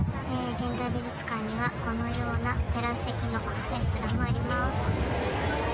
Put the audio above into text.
現代美術館には、このようなテラス席のレストランもあります。